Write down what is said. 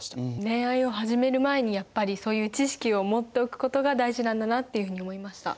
恋愛を始める前にやっぱりそういう知識を持っておくことが大事なんだなっていうふうに思いました。